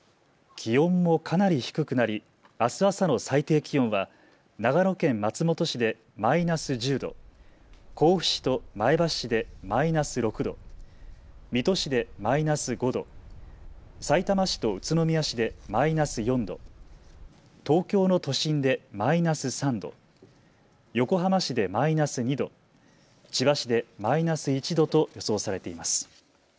気温もかなり低くなり、あす朝の最低気温は長野県松本市でマイナス１０度、甲府市と前橋市でマイナス６度、水戸市でマイナス５度、さいたま市と宇都宮市でマイナス４度、東京の都心でマイナス３度、横浜市でマイナス２度、千葉市でマイナス１度と予想されています。